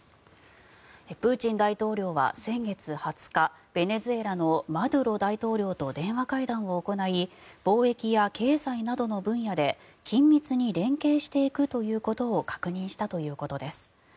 プーチン大統領は、先月２０日ベネズエラのマドゥロ大統領と電話会談を行い貿易や経済などの分野で緊密に連携していくということを確認したということです。